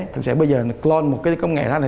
thực sự bây giờ clone một cái công nghệ ra